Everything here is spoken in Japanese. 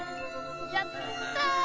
やったー！